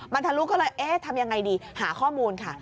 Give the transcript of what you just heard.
มันทะลุก็เลยเอ๊ะทำยังไงดีหาข้อมูลค่ะ